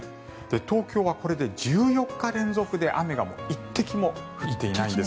東京はこれで１４日連続で雨が１滴も降っていないんです。